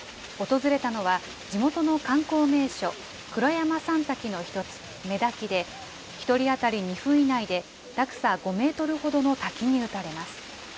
訪れたのは、地元の観光名所、黒山三滝の一つ、女滝で、１人当たり２分以内で、落差５メートルほどの滝に打たれます。